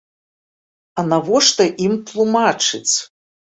А навошта ім тлумачыць?